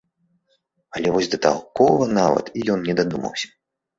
Але вось да такога нават і ён не дадумаўся.